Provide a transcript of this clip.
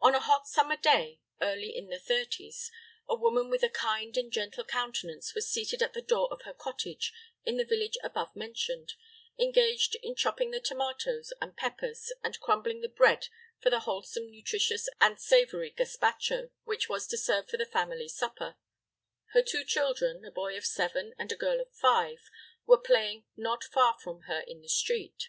On a hot summer day, early in the thirties, a woman with a kind and gentle countenance was seated at the door of her cottage, in the village above mentioned, engaged in chopping the tomatoes and peppers and crumbling the bread for the wholesome, nutritious, and savory gazpacho which was to serve for the family supper; her two children, a boy of seven and a girl of five, were playing not far from her in the street.